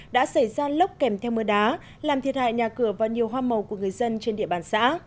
đã xảy ra lốc kèm theo mưa đá làm thiệt hại nhà cửa và nhiều hoa màu của người dân trên địa bàn xã